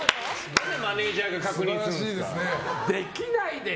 何でマネジャーが確認するんですか！